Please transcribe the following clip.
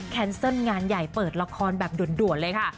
แนลงานใหญ่เปิดละครแบบด่วนเลยค่ะ